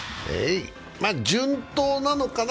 順当なのかな。